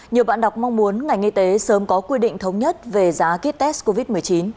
nhiều bạn đọc mong muốn ngành y tế sớm có quy định thống nhất về giá kýt test covid một mươi chín